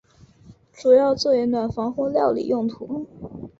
主要作为暖房或料理用途。